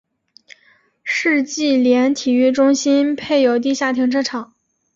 世纪莲体育中心配有地下停车场。